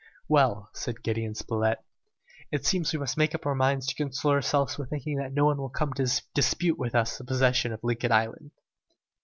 "Well," said Gideon Spilett, "it seems we must make up our minds to console ourselves with thinking that no one will come to dispute with us the possession of Lincoln Island!"